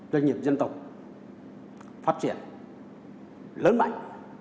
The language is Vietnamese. doanh nghiệp dân tộc phát triển lớn mạnh